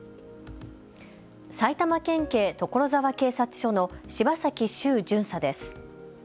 埼玉県警・所沢警察署の柴崎修巡査です。